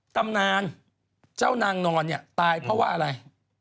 ๑ตำนานเจ้านางนอนตายเพราะอะไร